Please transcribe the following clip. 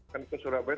kan ke surabaya